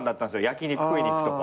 焼き肉食いに行くとか。